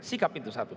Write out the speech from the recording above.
sikap itu satu